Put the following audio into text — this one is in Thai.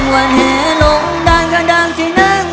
วันแหลงลงด้านข้างด้านที่นั่ง